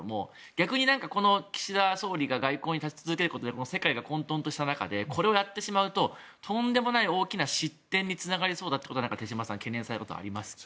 逆に岸田総理が外交に立ち続けることで世界が混とんとした中でこれをやってしまうととんでもない失点につながりそうだということで手嶋さん、懸念されることはありますか？